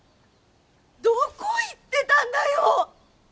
どこ行ってたんだよ！